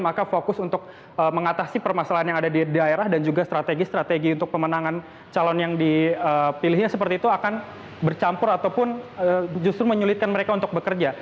maka fokus untuk mengatasi permasalahan yang ada di daerah dan juga strategi strategi untuk pemenangan calon yang dipilihnya seperti itu akan bercampur ataupun justru menyulitkan mereka untuk bekerja